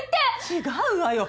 違うわよ！